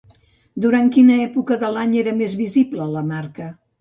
Durant quina època de l'any era més visible la marca?